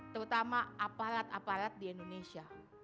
terutama aparat aparat di indonesia